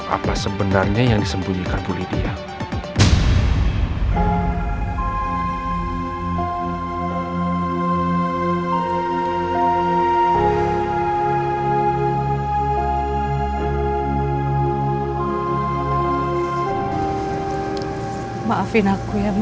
apa sebenarnya yang disembunyikan bu lidia